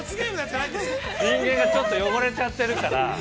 ◆人間がちょっと汚れちゃってるから。